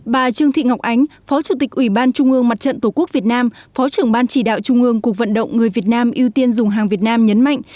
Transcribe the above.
bà trương thị ngọc ánh phó chủ tịch ủy ban trung ương mặt trận tổ quốc việt nam phó trưởng ban chỉ đạo trung ương cuộc vận động người việt nam ưu tiên dùng hàng việt nam nhấn mạnh